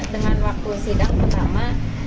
dengan waktu sidang pertama